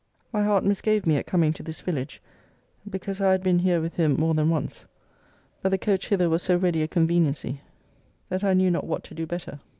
My heart misgave me at coming to this village, because I had been here with him more than once: but the coach hither was so ready a conveniency, that I knew not what to do better.